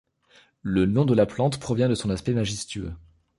Le nom de la plante provient de son aspect majestueux.